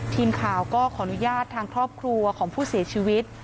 ทีมข่าวก็ขออนุญาตทางครอบครัวของผู้เสียชีวิต